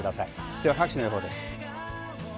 では各地の予報です。